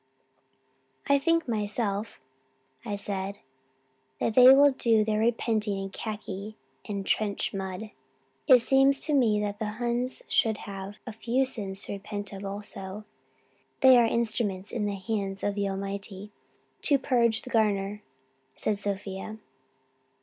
'I think myself,' I said, 'that they will do their repenting in khaki and trench mud, and it seems to me that the Huns should have a few sins to repent of also.' 'They are instruments in the hands of the Almighty, to purge the garner,' said Sophia.